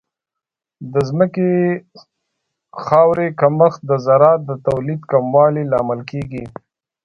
د ځمکې خاورې کمښت د زراعت د تولید کموالی لامل کیږي.